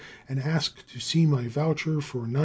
and ask to see my voucher for $9.